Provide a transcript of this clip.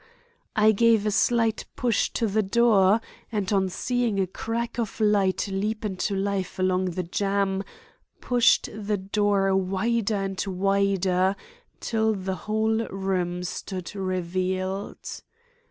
I gave a slight push to the door and, on seeing a crack of light leap into life along the jamb, pushed the door wider and wider till the whole room stood revealed.